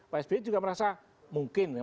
pak sby juga merasa mungkin ya